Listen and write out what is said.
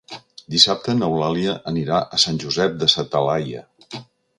Dissabte n'Eulàlia anirà a Sant Josep de sa Talaia.